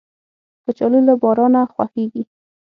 کچالو له بارانه خوښیږي